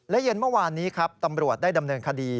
และเย็นเมื่อวานนี้ครับตำรวจได้ดำเนินคดี